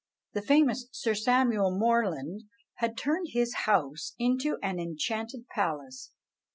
The famous Sir Samuel Moreland had turned his house into an enchanted palace.